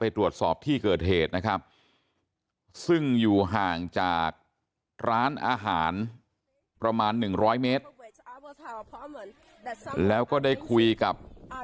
ไปตรวจสอบที่เกิดเหตุนะครับ